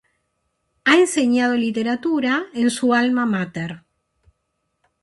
Ha enseñado literatura en su "alma máter".